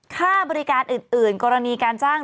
ค่าบริการอื่นกรณีการจ้าง